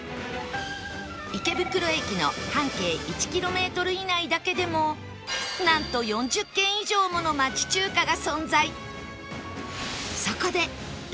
池袋駅の半径１キロメートル以内だけでもなんと４０軒以上もの町中華が存在